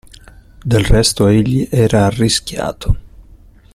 Del resto, egli era arrischiato.